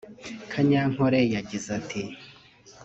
Kanyankore yagize ati